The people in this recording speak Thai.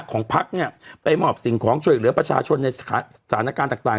ของพักเนี่ยไปมอบสิ่งของช่วยเหลือประชาชนในสถานการณ์ต่าง